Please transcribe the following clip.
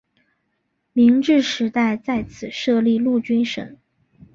明治时代在此设立陆军省。